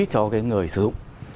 cho cái người sử dụng